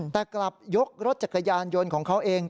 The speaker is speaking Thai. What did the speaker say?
แต่กลับยกรถจักรยานยนต์ของเขาเอง